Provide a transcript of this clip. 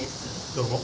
・どうも。